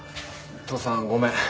父さんごめん。